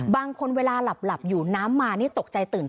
เวลาหลับอยู่น้ำมานี่ตกใจตื่น